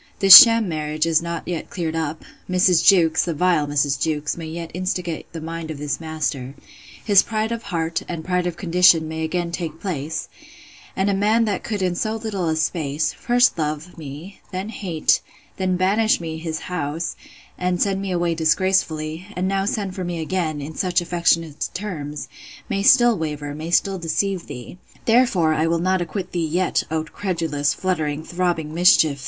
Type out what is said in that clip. This sham marriage is not yet cleared up: Mrs. Jewkes, the vile Mrs. Jewkes! may yet instigate the mind of this master: His pride of heart, and pride of condition, may again take place: And a man that could in so little a space, first love me, then hate, then banish me his house, and send me away disgracefully; and now send for me again, in such affectionate terms, may still waver, may still deceive thee. Therefore will I not acquit thee yet, O credulous, fluttering, throbbing mischief!